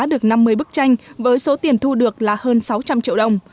được năm mươi bức tranh với số tiền thu được là hơn sáu trăm linh triệu đồng